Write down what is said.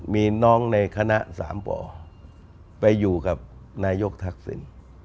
มีน้องในคณะสามป่อไปอยู่กับนายกทักษิณ